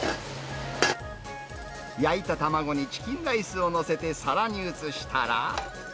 焼いた卵にチキンライスを載せてさらに移したら。